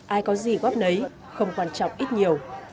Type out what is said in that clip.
ai có gì góp nấy không quan trọng ít nhiều